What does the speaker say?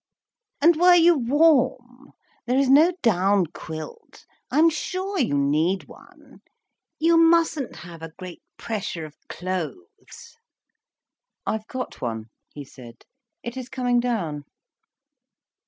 "And were you warm? There is no down quilt. I am sure you need one. You mustn't have a great pressure of clothes." "I've got one," he said. "It is coming down."